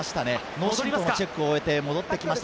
脳震とうのチェックを終えて戻ってきました。